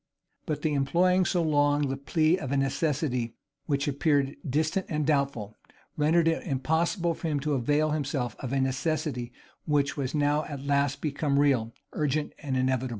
But the employing so long the plea of a necessity which appeared distant and doubtful, rendered it impossible for him to avail himself of a necessity which was now at last become real, urgent, and inevitable.